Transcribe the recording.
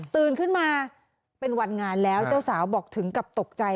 ตื่นขึ้นมาเป็นวันงานแล้วเจ้าสาวบอกถึงกับตกใจ